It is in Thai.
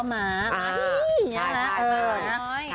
มาที่นี่อย่างนั้นนะ